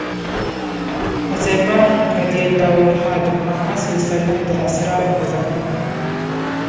حذیفه رض د محمد صلی الله علیه وسلم د اسرارو خزانه وه.